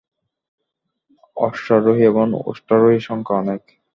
অশ্বারোহী এবং উষ্ট্রারোহীর সংখ্যা অনেক।